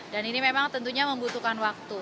dan ini memang tentunya membutuhkan waktu